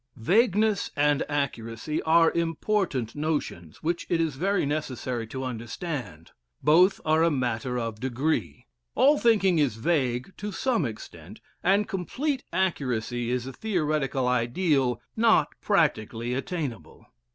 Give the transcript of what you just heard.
Vagueness and accuracy are important notions, which it is very necessary to understand. Both are a matter of degree. All thinking is vague to some extent, and complete accuracy is a theoretical ideal not practically attainable.